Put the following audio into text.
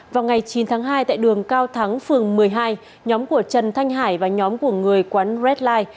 vào ngày chín tháng hai tại đường cao thắng phường một mươi hai nhóm của trần thanh hải và nhóm của người quán reddlife